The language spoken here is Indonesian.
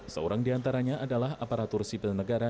seorang di antaranya adalah aparatur sipil negara